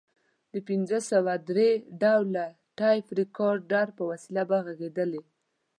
د پنځه سوه درې ډوله ټیپ ریکارډر په وسیله به غږېدلې.